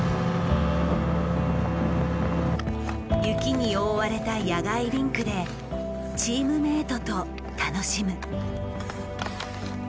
雪に覆われた屋外リンクでチームメートと楽しむ。